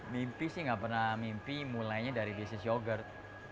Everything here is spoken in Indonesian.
mimpi sih gak pernah mimpi mulainya dari bisnis yogurt